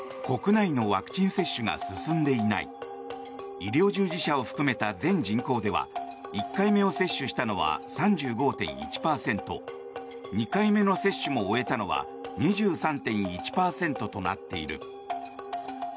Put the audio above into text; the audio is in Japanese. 医療従事者を含めた全人口では１回目を接種したのは３５．１％２回目の接種も終えたのは２３．１％となっている。